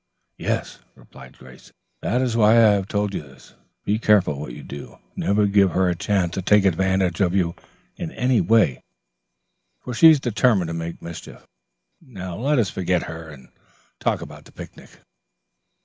"Yes," replied Grace. "That is why I have told you this. Be careful what you do. Never give her a chance to take advantage of you in any way, for she is determined to make mischief. Now let us forget her, and talk about the picnic."